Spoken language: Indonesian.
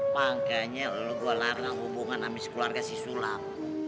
makanya lu gua larang hubungan ambis keluarga si sulam